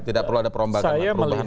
tidak perlu ada perombakan perubahan lagi